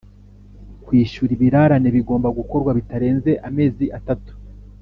Kwishyura ibirarane bigomba gukorwa bitarenze amezi atatu